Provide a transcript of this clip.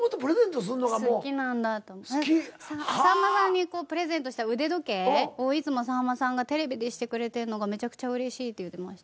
さんまさんにプレゼントした腕時計をいつもさんまさんがテレビでしてくれてるのがめちゃくちゃうれしいって言ってました。